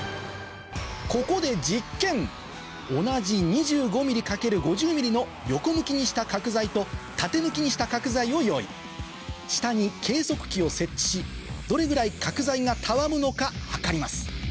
ここで実験同じ２５ｍｍ×５０ｍｍの横向きにした角材と縦向きにした角材を用意下に計測器を設置しどれぐらい角材がたわむのか測ります